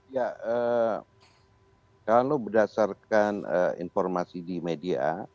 ya kalau berdasarkan informasi di media